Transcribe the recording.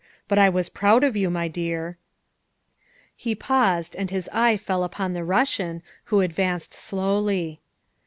But I was proud of you, my dear." He paused and his eye fell upon the Russian, who ad vanced slowly.